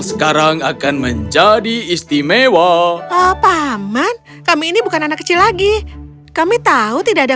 sekarang akan menjadi istimewa apa aman kami ini bukan anak kecil lagi kami tahu tidak ada